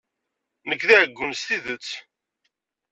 Nekk d aɛeggun s tidet.